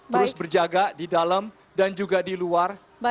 terus berjaga di dalam dan juga di luar